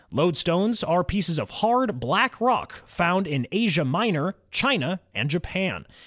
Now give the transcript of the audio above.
Loadstones are pieces of hard, black rock found in Asia Minor, China, and Japan.